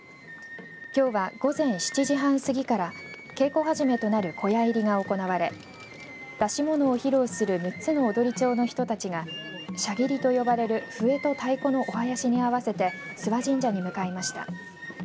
きょうは午前７時半すぎから稽古始めとなる小屋入りが行われ出し物を披露する６つの踊町の人たちがシャギリと呼ばれる笛と太鼓のおはやしに合わせて諏訪神社に向かいました。